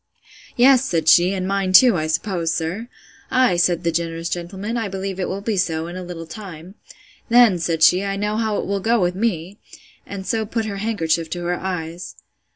Yes, said she, and mine too, I suppose, sir? Ay, said the generous gentleman, I believe it will be so in a little time.—Then, said she, I know how it will go with me! And so put her handkerchief to her eyes.